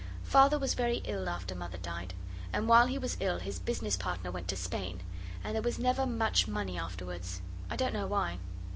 Father was very ill after Mother died; and while he was ill his business partner went to Spain and there was never much money afterwards. I don't know why.